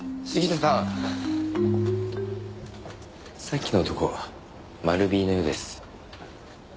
さっきの男マルＢのようです。